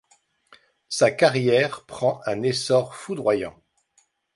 Sa carrière prend un essor foudroyant.